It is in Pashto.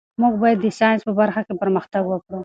موږ باید د ساینس په برخه کې پرمختګ وکړو.